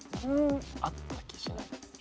あった気しない。